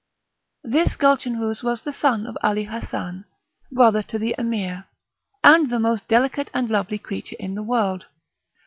This Gulchenrouz was the son of Ali Hassan, brother to the Emir, and the most delicate and lovely creature in the world.